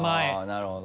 なるほど。